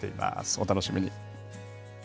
お楽しみに。